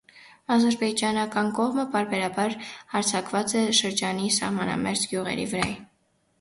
Ազրպէյճանական կողմը պարբերաբար յարձակած է շրջանի սահմանամերձ գիւղերու վրայ։